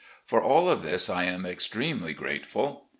For all of this I am extremely grateful.